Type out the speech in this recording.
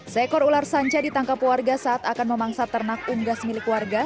seekor ular sanca ditangkap warga saat akan memangsa ternak unggas milik warga